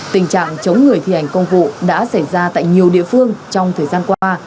tình trạng chống người thi hành công vụ đã xảy ra tại nhiều địa phương trong thời gian qua